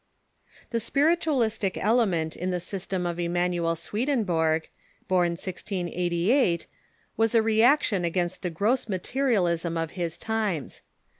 ] The spiritualistic element in the system of Emanuel Swe denborg, born 1688, was a reaction against the gross materi alism of his times.